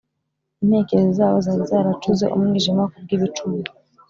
Intekerezo zabo zari zaracuze umwijima kubw’ibicumuro